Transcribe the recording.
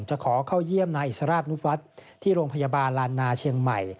ขอเข้าเยี่ยมนายอิสราชนุวัฒน์ที่โรงพยาบาลลานนาเชียงใหม่